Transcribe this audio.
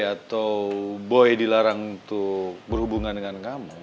atau boy dilarang untuk berhubungan dengan kamu